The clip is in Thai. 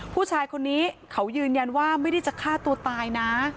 ผู้ชายคนนี้เขายืนยันว่าไม่ได้จะฆ่าตัวตายนะ